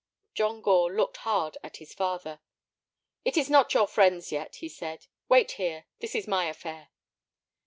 John Gore looked hard at his father. "It is not your friends yet," he said; "wait here; this is my affair."